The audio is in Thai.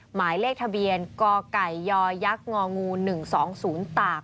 หมายเลขทะเบียนกยยง๑๒๐๐ตาก